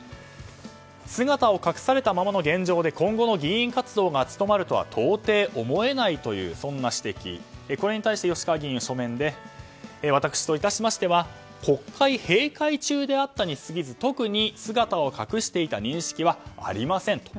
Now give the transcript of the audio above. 姿を隠されたままの現状で今後の議員活動が務まるとは到底思えないというそんな指摘に対して吉川議員は書面で、私と致しましては国会閉会中であったにすぎず特に姿を隠していた認識はありませんと。